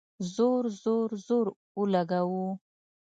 زور ، زور، زور اولګوو